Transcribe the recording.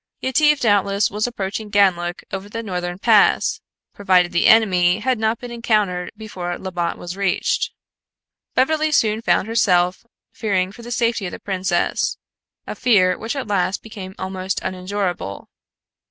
Yetive doubtless was approaching Ganlook over the northern pass, provided the enemy had not been encountered before Labbot was reached. Beverly soon found herself fearing for the safety of the princess, a fear which at last became almost unendurable.